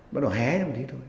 bắt đầu hé như vậy thôi